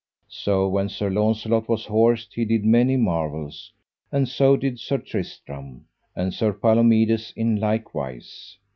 So when Sir Launcelot was horsed he did many marvels, and so did Sir Tristram, and Sir Palomides in like wise.